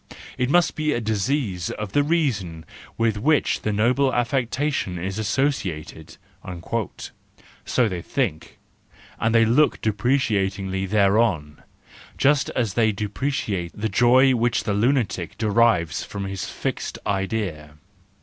It must be a disease of the reason with which the noble affection is associated,"—so they think, and they look depreciatingly thereon; just as they depreciate the joy which the lunatic derives from his fixed idea.